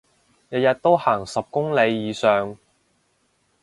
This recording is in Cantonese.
日日都行十公里以上